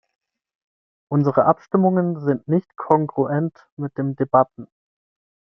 Unsere Abstimmungen sind nicht kongruent mit den Debatten.